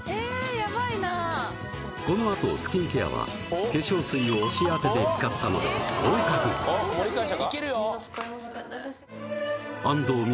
やばいなこのあとスキンケアは化粧水を押し当てて使ったので合格どっち？